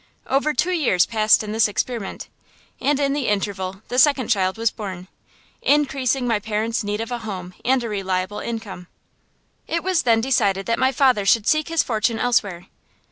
Over two years passed in this experiment, and in the interval the second child was born, increasing my parents' need of a home and a reliable income. It was then decided that my father should seek his fortune elsewhere.